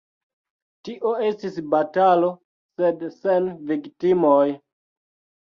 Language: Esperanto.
Tio estis batalo, sed sen viktimoj.